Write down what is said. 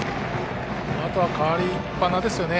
あとは代わりっぱなですね。